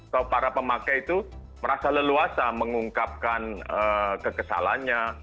kalau para pemakai itu merasa leluasa mengungkapkan kekesalannya